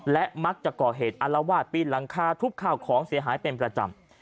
และมักจะก่อเหตุอารวาสปีนหลังคาทุบข้าวของเสียหายเป็นประจำ